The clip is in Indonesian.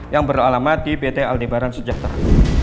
yang beralamat di pt aldebaran sejahtera